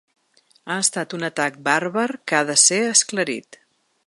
Ha estat un atac bàrbar que ha de ser esclarit.